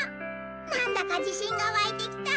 なんだか自信が湧いてきた。